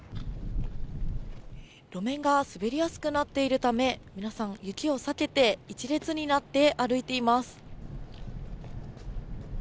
路面が滑りやすくなっているため、皆さん、雪を避けて１列になって歩いています。